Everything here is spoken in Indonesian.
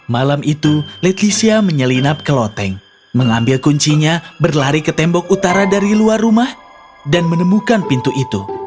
malam itu leticia menyelinap ke loteng mengambil kuncinya berlari ke tembok utara dari luar rumah dan menemukan pintu itu